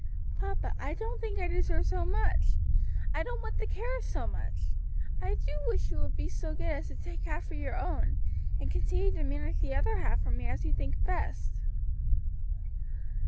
"Papa, I don't think I deserve so much; I don't want the care of so much. I do wish you would be so good as to take half for your own, and continue to manage the other half for me as you think best."